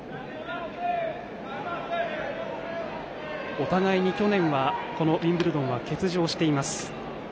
お互い去年ウィンブルドンは欠場しています。